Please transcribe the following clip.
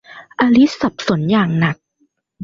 อลิซสับสนอย่างหนัก